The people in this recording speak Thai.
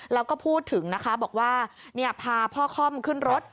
แล้วก็พูดถึงนะคะบอกว่าพาพ่อค่อมขึ้นรถ